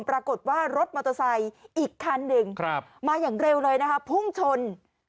ปรากฏว่ารถมอเตอร์ไซค์อีกคันหนึ่งมาอย่างเร็วเลยนะคะพุ่งชน